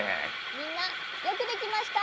みんなよくできました！